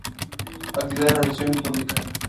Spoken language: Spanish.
Actividad en la administración pública.